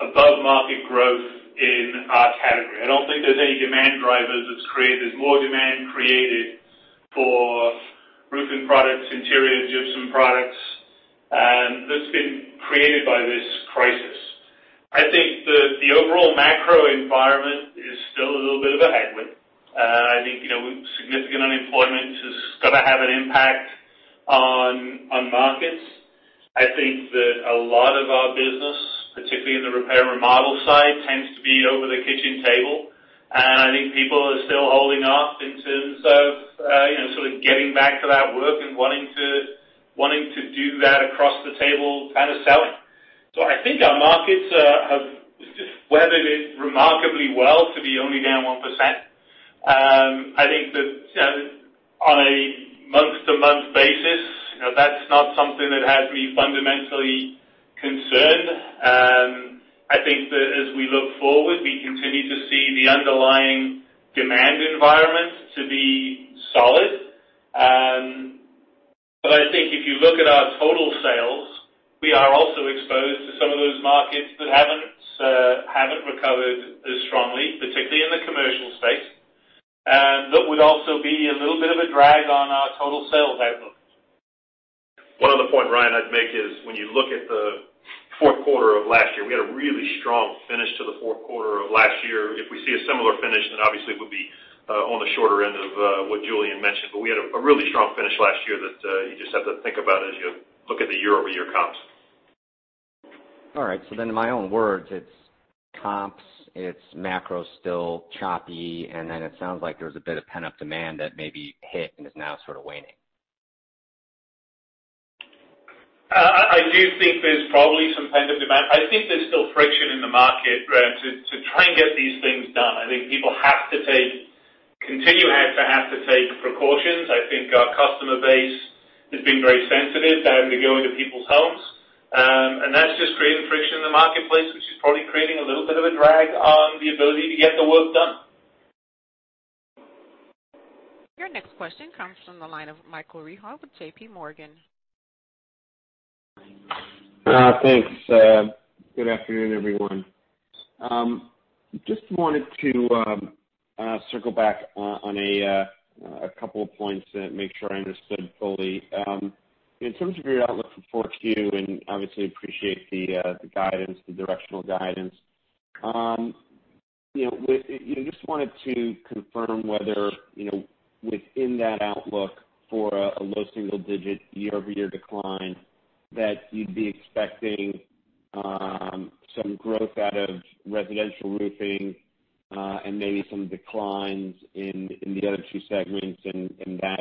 above-market growth in our category. I don't think there's any demand drivers that's created. There's more demand created for roofing products, interior gypsum products, that's been created by this crisis. I think that the overall macro environment is still a little bit of a headwind. I think significant unemployment is going to have an impact on markets. I think that a lot of our business, particularly in the repair and remodel side, tends to be over the kitchen table. I think people are still holding off in terms of getting back to that work and wanting to do that across the table kind of selling. I think our markets have just weathered it remarkably well to be only down 1%. I think that on a month-to-month basis, that's not something that has me fundamentally concerned. I think that as we look forward, we continue to see the underlying demand environment to be solid. I think if you look at our total sales, we are also exposed to some of those markets that haven't recovered as strongly, particularly in the commercial space. That would also be a little bit of a drag on our total sales outlook. One other point, Ryan, I'd make is when you look at the fourth quarter of last year, we had a really strong finish to the fourth quarter of last year. If we see a similar finish, obviously it would be on the shorter end of what Julian mentioned. We had a really strong finish last year that you just have to think about as you look at the year-over-year comps. All right. In my own words, it's comps, it's macro still choppy, and then it sounds like there was a bit of pent-up demand that maybe hit and is now sort of waning. I do think there's probably some pent-up demand. I think there's still friction in the market, Ryan, to try and get these things done. I think people continue to have to take precautions. I think our customer base has been very sensitive to having to go into people's homes. That's just creating friction in the marketplace, which is probably creating a little bit of a drag on the ability to get the work done. Your next question comes from the line of Michael Rehaut with JPMorgan. Thanks. Good afternoon, everyone. Just wanted to circle back on a couple of points and make sure I understood fully. In terms of your outlook for 4Q, and obviously appreciate the guidance, the directional guidance. Just wanted to confirm whether, within that outlook for a low single-digit year-over-year decline, that you'd be expecting some growth out of residential roofing, and maybe some declines in the other two segments, and that,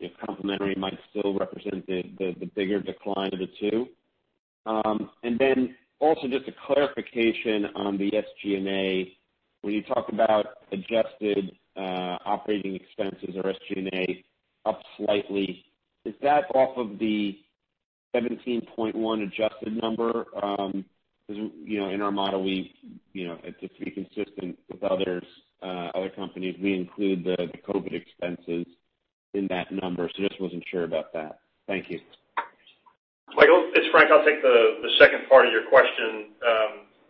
if complementary, might still represent the bigger decline of the two? Also, just a clarification on the SG&A, when you talk about adjusted operating expenses or SG&A up slightly, is that off of the 17.1% adjusted number? Because, in our model, just to be consistent with other companies, we include the COVID expenses in that number. Just wasn't sure about that. Thank you. Michael, it's Frank. I'll take the second part of your question.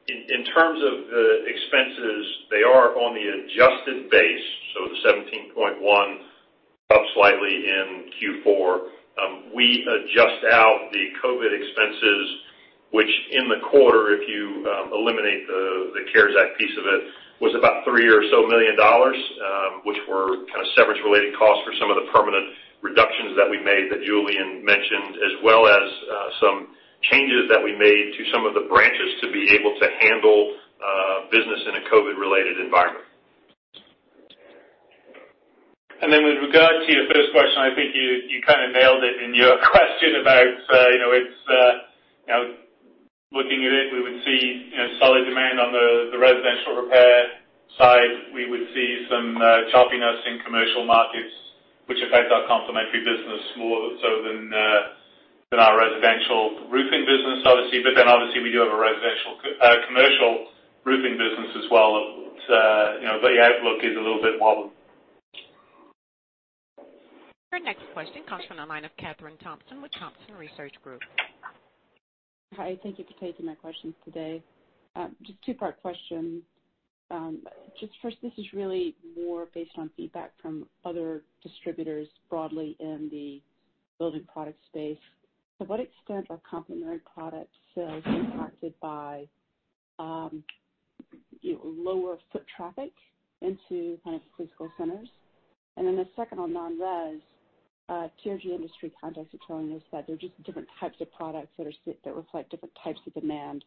In terms of the expenses, they are on the adjusted base, so the 17.1% up slightly in Q4. We adjust out the COVID expenses, which in the quarter, if you eliminate the CARES Act piece of it, was about $3 million or so, which were kind of severance related costs for some of the permanent reductions that we made that Julian mentioned, as well as some changes that we made to some of the branches to be able to handle business in a COVID-related environment. With regard to your first question, I think you kind of nailed it in your question about looking at it, we would see solid demand on the residential repair side. We would see some choppiness in commercial markets, which affect our complementary business more so than our residential roofing business, obviously. Obviously we do have a commercial roofing business as well. The outlook is a little bit wobbled. Your next question comes from the line of Kathryn Thompson with Thompson Research Group. Hi, thank you for taking my questions today. Just a two-part question. Just first, this is really more based on feedback from other distributors broadly in the building product space. To what extent are complementary product sales impacted by lower foot traffic into kind of pro sales centers? Then the second on non-res, TRG industry contacts are telling us that there are just different types of products that reflect different types of demand.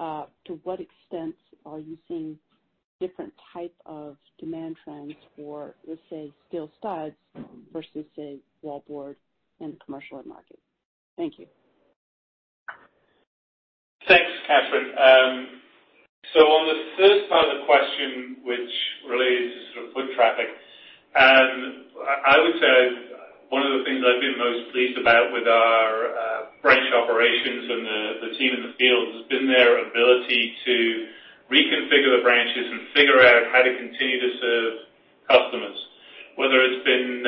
To what extent are you seeing different type of demand trends for, let's say, steel studs versus, say, wallboard in the commercial end market? Thank you. Thanks, Kathryn. On the first part of the question, which really is just sort of foot traffic, I would say one of the things I've been most pleased about with our branch operations and the team in the field has been their ability to reconfigure the branches and figure out how to continue to serve customers. Whether it's been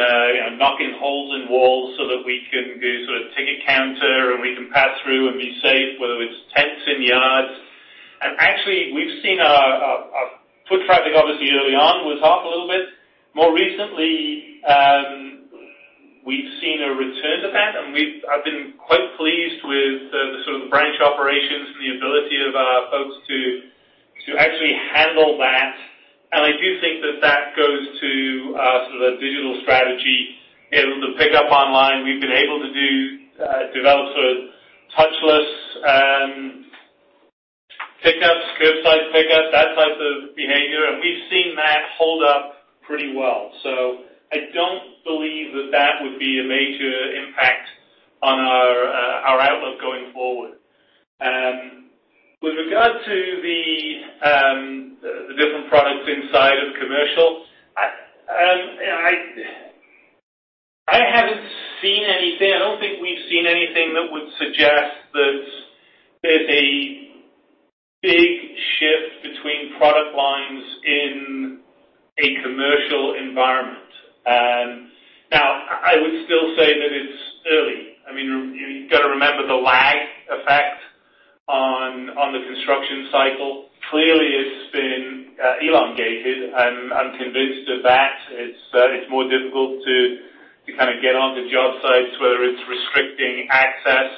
knocking holes in walls so that we can do a sort of ticket counter and we can pass through and be safe, whether it's tents in yards. Actually, foot traffic obviously early on was off a little bit. More recently, we've seen a return to that, and I've been quite pleased with the sort of branch operations and the ability of our folks to actually handle that. I do think that that goes to our sort of digital strategy, being able to pick up online. We've been able to develop sort of touchless pickups, curbside pickups, that type of behavior, and we've seen that hold up pretty well. I don't believe that that would be a major impact on our outlook going forward. With regard to the different products inside of commercial, I haven't seen anything. I don't think we've seen anything that would suggest that there's a big shift between product lines in a commercial environment. I would still say that it's early. You got to remember the lag effect on the construction cycle. Clearly, it's been elongated. I'm convinced of that. It's more difficult to kind of get on the job sites, whether it's restricting access.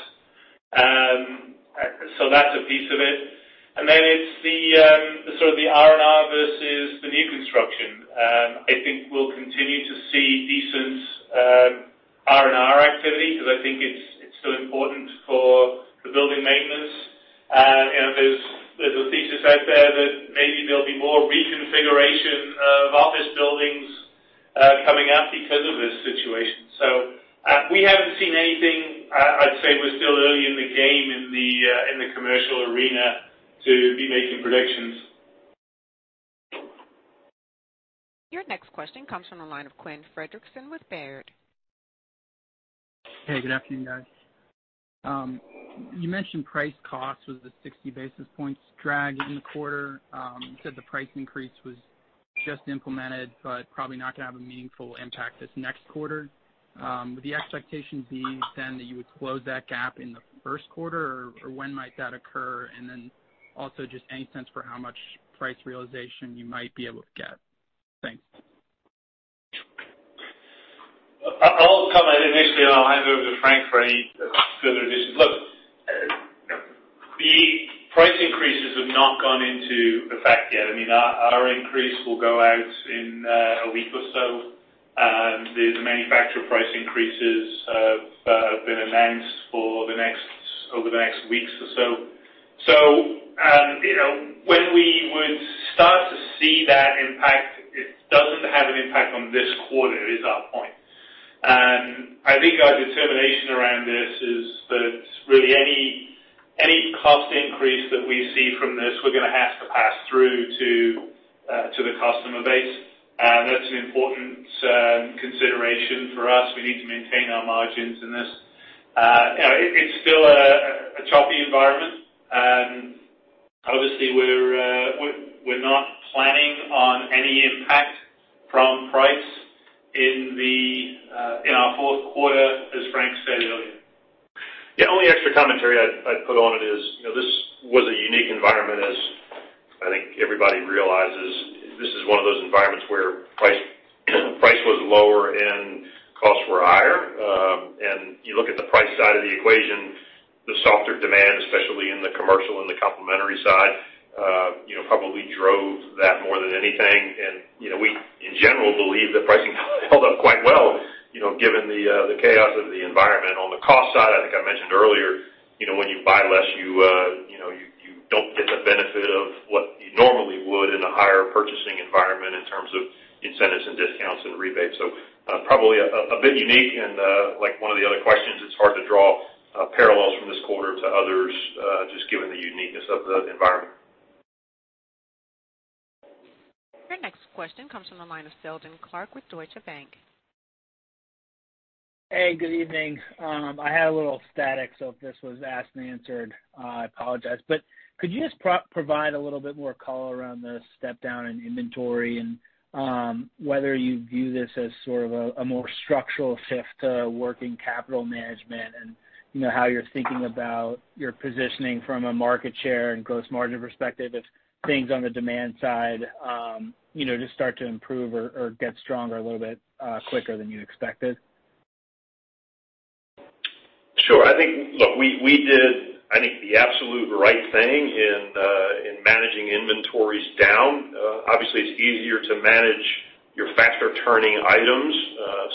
That's a piece of it. It's the sort of the R&R versus the new construction. I think we'll continue to see decent R&R activity, because I think it's still important for the building maintenance. There's a thesis out there that maybe there'll be more reconfiguration of office buildings coming up because of this situation. We haven't seen anything. I'd say we're still early in the game in the commercial arena to be making predictions. Your next question comes from the line of Quinn Fredrickson with Baird. Hey, good afternoon, guys. You mentioned price cost was the 60 basis points drag in the quarter. You said the price increase was just implemented, but probably not going to have a meaningful impact this next quarter. Would the expectation be then that you would close that gap in the first quarter, or when might that occur? Also just any sense for how much price realization you might be able to get. Thanks. I'll comment initially, and I'll hand over to Frank for any further additions. Look, the price increases have not gone into effect yet. Our increase will go out in a week or so. The manufacturer price increases have been announced over the next week or so. When we would start to see that impact, it doesn't have an impact on this quarter is our point. I think our determination around this is that really any cost increase that we see from this, we're going to have to pass through to the customer base. That's an important consideration for us. We need to maintain our margins in this. It's still a choppy environment. Obviously, we're not planning on any impact from price in our fourth quarter, as Frank stated earlier. Yeah. Only extra commentary I'd put on it is, this was a unique environment, as I think everybody realizes. This is one of those environments where price was lower and costs were higher. You look at the price side of the equation, the softer demand, especially in the commercial and the complementary side probably drove that more than anything. We, in general, believe that pricing held up quite well given the chaos of the environment. On the cost side, I think I mentioned earlier, when you buy less, you don't get the benefit of what you normally would in a higher purchasing environment in terms of incentives and discounts and rebates. Probably a bit unique and, like one of the other questions, it's hard to draw parallels from this quarter to others, just given the uniqueness of the environment. Your next question comes from the line of Seldon Clarke with Deutsche Bank. Hey, good evening. I had a little static, so if this was asked and answered, I apologize. Could you just provide a little bit more color around the step-down in inventory and whether you view this as sort of a more structural shift to working capital management and how you're thinking about your positioning from a market share and gross margin perspective if things on the demand side just start to improve or get stronger a little bit quicker than you expected? Sure. Look, we did, I think, the absolute right thing in managing inventories down. Obviously, it's easier to manage your faster-turning items,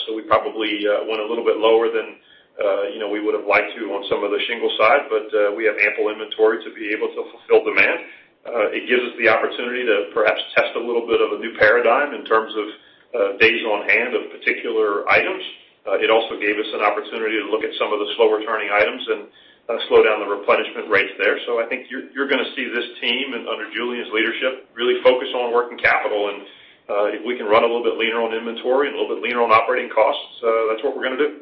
so we probably went a little bit lower than we would've liked to on some of the shingle side, but we have ample inventory to be able to fulfill demand. It gives us the opportunity to perhaps test a little bit of a new paradigm in terms of days on hand of particular items. It also gave us an opportunity to look at some of the slower-turning items and slow down the replenishment rates there. I think you're going to see this team, under Julian's leadership, really focus on working capital. If we can run a little bit leaner on inventory and a little bit leaner on operating costs, that's what we're going to do.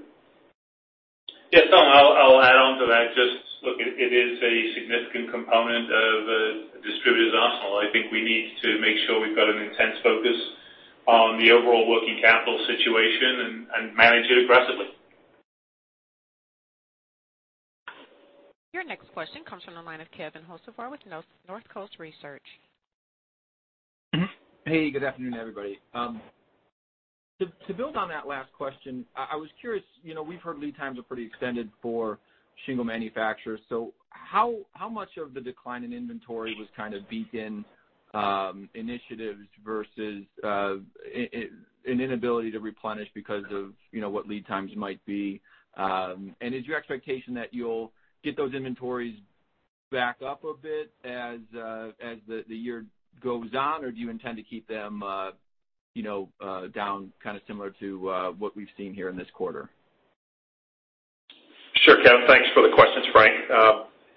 Yeah. Seldon, I'll add on to that. Just look, it is a significant component of a distributor's arsenal. I think we need to make sure we've got an intense focus on the overall working capital situation and manage it aggressively. Your next question comes from the line of Kevin Hocevar with Northcoast Research. Hey, good afternoon, everybody. To build on that last question, I was curious, we've heard lead times are pretty extended for shingle manufacturers, so how much of the decline in inventory was kind of Beacon initiatives versus an inability to replenish because of what lead times might be? Is your expectation that you'll get those inventories back up a bit as the year goes on, or do you intend to keep them down, kind of similar to what we've seen here in this quarter? Sure, Kevin. Thanks for the questions. Frank.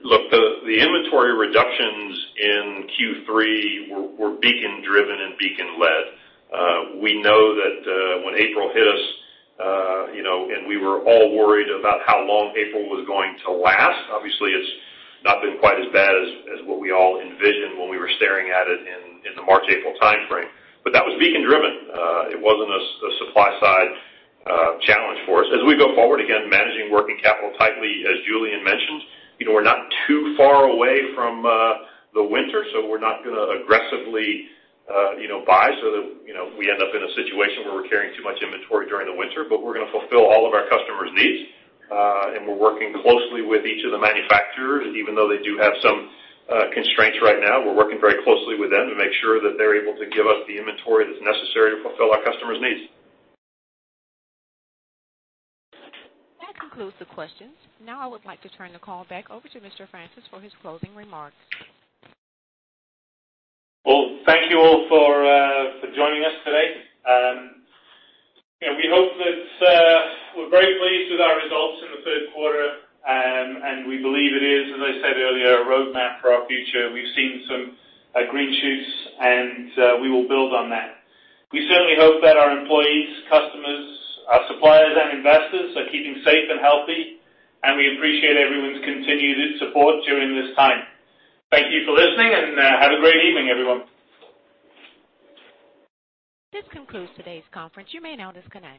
Look, the inventory reductions in Q3 were Beacon-driven and Beacon-led. We know that when April hit us, and we were all worried about how long April was going to last. Obviously, it's not been quite as bad as what we all envisioned when we were staring at it in the March-April timeframe. That was Beacon-driven. It wasn't a supply-side challenge for us. As we go forward, again, managing working capital tightly, as Julian mentioned, we're not too far away from the winter, so we're not going to aggressively buy so that we end up in a situation where we're carrying too much inventory during the winter. We're going to fulfill all of our customers' needs, and we're working closely with each of the manufacturers. Even though they do have some constraints right now, we're working very closely with them to make sure that they're able to give us the inventory that's necessary to fulfill our customers' needs. That concludes the questions. I would like to turn the call back over to Mr. Francis for his closing remarks. Well, thank you all for joining us today. We're very pleased with our results in the third quarter, and we believe it is, as I said earlier, a roadmap for our future. We've seen some green shoots, and we will build on that. We certainly hope that our employees, customers, our suppliers, and investors are keeping safe and healthy, and we appreciate everyone's continued support during this time. Thank you for listening, and have a great evening, everyone. This concludes today's conference. You may now disconnect.